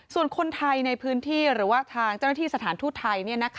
ส่วนคนไทยในพื้นที่หรือว่าทางเจ้าหน้าที่สถานทูตไทย